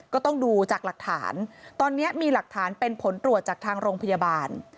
ก็ต้องดูจากหลักฐานตอนนี้มีหลักฐานเป็นผลตรวจจากทางโรงพยาบาล